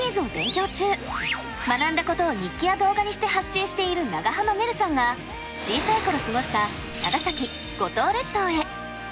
学んだことを日記や動画にして発信している長濱ねるさんが小さい頃過ごした長崎・五島列島へ。